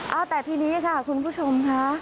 เอาแต่ทีนี้ค่ะคุณผู้ชมค่ะ